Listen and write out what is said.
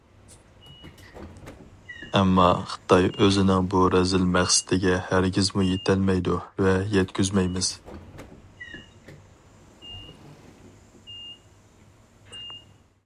ئەمما خىتاي ئۆزىنىڭ بۇ رەزىل مەقسىتىگە ھەرگىزمۇ يىتەلمەيدۇ ۋە يەتكۈزمەيمىز.